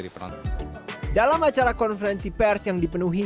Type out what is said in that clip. dalam acara konferensi pers yang dipenuhi